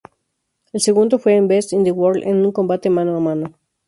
El segundo fue en "Best in the World" en un combate mano a mano.